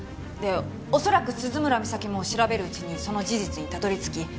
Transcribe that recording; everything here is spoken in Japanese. で恐らく鈴村美咲も調べるうちにその事実にたどり着き